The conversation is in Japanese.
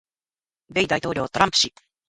米大統領トランプ氏